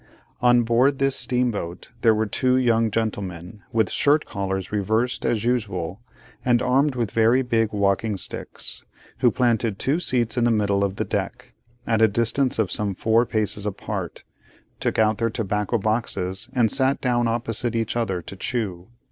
On board this steamboat, there were two young gentlemen, with shirt collars reversed as usual, and armed with very big walking sticks; who planted two seats in the middle of the deck, at a distance of some four paces apart; took out their tobacco boxes; and sat down opposite each other, to chew.